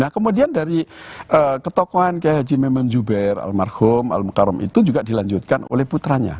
kemudian dari ketokohan kayi haji maimon juber almarhum al mukarram itu juga dilanjutkan oleh putranya